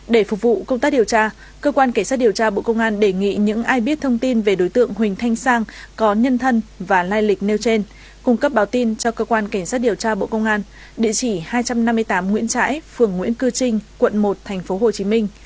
để phục vụ công tác điều tra cơ quan cảnh sát điều tra bộ công an đề nghị những ai biết thông tin về đối tượng huỳnh thanh sang có nhân thân và lai lịch nêu trên cung cấp báo tin cho cơ quan cảnh sát điều tra bộ công an địa chỉ hai trăm năm mươi tám nguyễn trãi phường nguyễn cư trinh quận một tp hcm